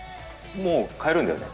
もう買えるんだよね？